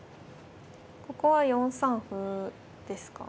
ここは４三歩ですか。